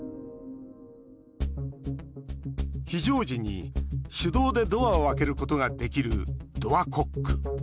非常時に手動でドアを開けることができるドアコック。